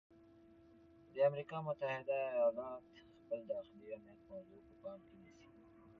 د امریکا متحده ایالات خپل داخلي امنیت موضوع په پام کې نیسي.